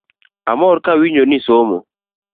Amor kawinjo nisomo